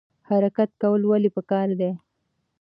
حرکت کول ولې پکار دي؟